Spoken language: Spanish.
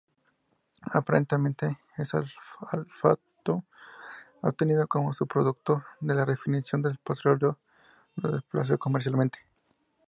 Aparentemente el asfalto obtenido como subproducto de la refinación del petróleo lo desplazó comercialmente.